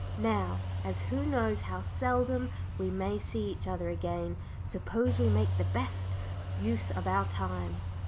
Now, as who knows how seldom we may see each other again, suppose we make the best use of our time.